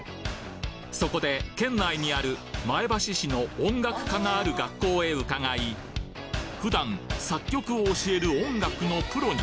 そこで県内にある前橋市の音楽科がある学校へ伺い普段作曲を教える音楽のプロに